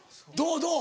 どう？